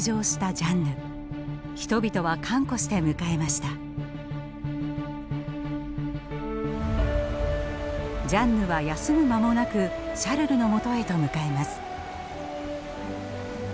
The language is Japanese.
ジャンヌは休む間もなくシャルルのもとへと向かいます。